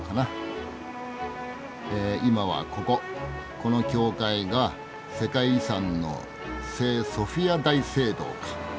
この教会が世界遺産の聖ソフィア大聖堂か。